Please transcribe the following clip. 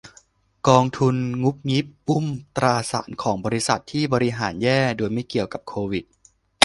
กองทุนงุบงิบอุ้มตราสารของบริษัทที่บริหารแย่โดยไม่เกี่ยวกับโควิด